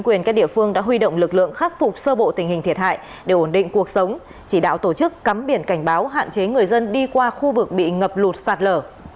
các quyền các địa phương đã huy động lực lượng khắc phục sơ bộ tình hình thiệt hại để ổn định cuộc sống chỉ đạo tổ chức cắm biển cảnh báo hạn chế người dân đi qua khu vực bị ngập lụt sạt lở